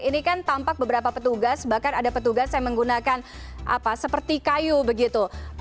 ini kan tampak beberapa petugas bahkan ada petugas yang menggunakan seperti kayu begitu